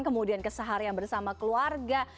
kemudian keseharian bersama keluarga